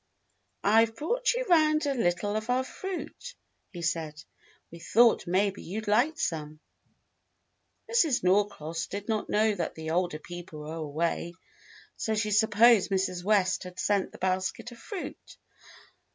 "I've brought you 'round a little of our fruit," he said. "We thought maybe you'd like some." Mrs. Norcross did not know that the older people were away, so she supposed Mrs. West had sent the basket of fruit.